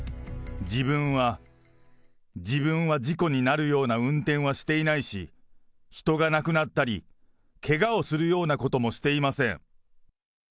自分は、自分は事故になるような運転はしていないし、人が亡くなったり、けがをするようなこともしていません。